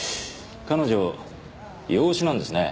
彼女養子なんですね。